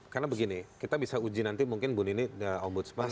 karena begini kita bisa uji nanti mungkin bunini dan om budsman